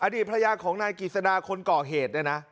ดีตภรรยาของนายกิจสดาคนก่อเหตุเนี่ยนะ